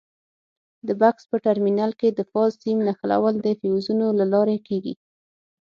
د بکس په ټرمینل کې د فاز سیم نښلول د فیوزونو له لارې کېږي.